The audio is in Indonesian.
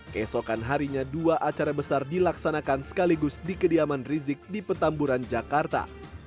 keesokan harinya dua acara besar dilaksanakan sekaligus di kediaman rizik di petamburan jakarta